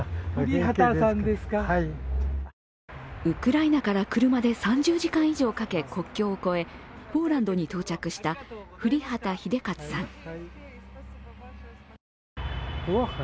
ウクライナから車で３０時間以上かけ国境を越えポーランドに到着した降旗英捷さん。